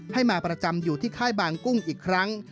มาประจำอยู่ที่ค่ายบางกุ้งอีกครั้ง